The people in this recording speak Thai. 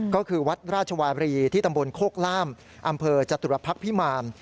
ก็คือวัดราชวารีที่ตำบลโคกล่ามอำเภอจตุรพักษ์พิมาร